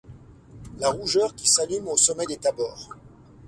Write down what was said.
La rougeur qui s’allume au sommet des Thabors ;